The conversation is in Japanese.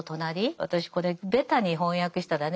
私これベタに翻訳したらね